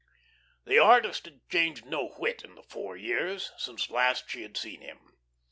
The artist had changed no whit in the four years since last she had seen him.